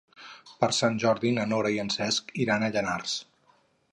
Per Sant Jordi na Nora i en Cesc iran a Llanars.